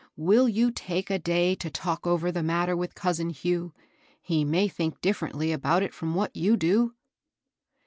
Will you take a day to talk over the matter with cousin Hugh ? He may think dif ferently about it from what you do.'